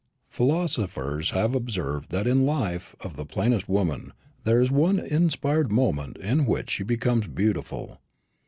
Philosophers have observed that in the life of the plainest woman there is one inspired moment in which she becomes beautiful.